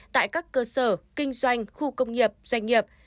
tại các cơ sở kinh doanh khu công nghiệp doanh nghiệp